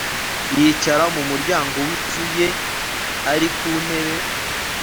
Yicara mu muryango w inzu ye Ari ku ntebe